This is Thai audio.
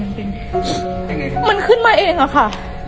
มันขึ้นมาเองอ่ะค่ะ